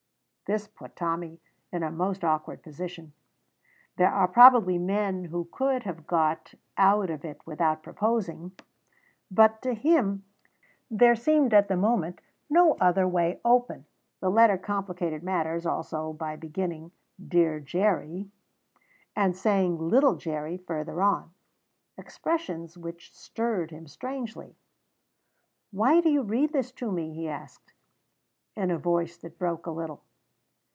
This put Tommy in a most awkward position. There are probably men who could have got out of it without proposing; but to him there seemed at the moment no other way open. The letter complicated matters also by beginning "Dear Jerry," and saying "little Jerry" further on expressions which stirred him strangely. "Why do you read this to me?" he asked, in a voice that broke a little.